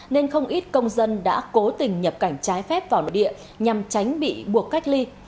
nên không ít công dân đã cố tình nhập cảnh trái phép vào nội địa nhằm tránh bị buộc cách ly